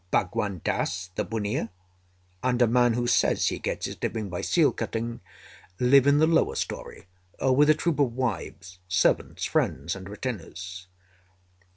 Bhagwan Dass, the bunnia, and a man who says he gets his living by seal cutting, live in the lower story with a troop of wives, servants, friends, and retainers.